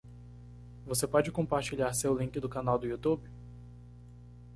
Você pode compartilhar seu link do canal do Youtube?